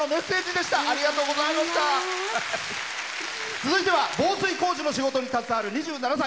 続いては防水工事の仕事に携わる２７歳。